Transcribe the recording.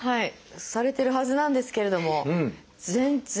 されてるはずなんですけれども全然小さくて。